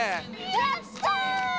やった！